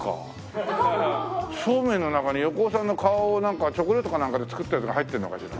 そうめんの中に横尾さんの顔をチョコレートかなんかで作ったやつが入ってるのかしら？